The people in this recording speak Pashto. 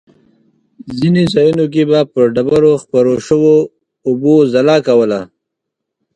ځینې ځایونو کې به پر ډبرو خپرو شوو اوبو ځلا کوله.